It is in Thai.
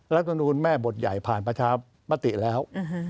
รัฐมนูลแม่บทใหญ่ผ่านประชามติแล้ว